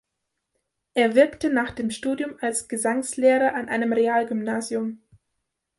Er wirkte nach dem Studium als Gesangslehrer an einem Realgymnasium.